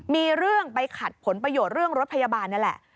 มีเรื่องไปขัดผลประโยชน์เรื่องรถพยาบาลนี่แหละ